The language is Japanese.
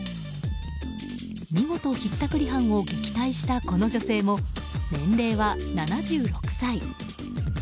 見事、ひったくり犯を撃退したこの女性も年齢は７６歳。